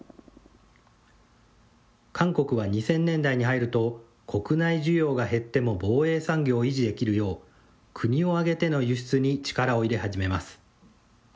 韓国は２０００年代に入ると、国内需要が減っても防衛産業を維持できるよう、国を挙げての輸出に力を入れ始めます。